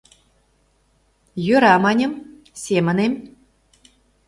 Йӧра, маньым, семынем.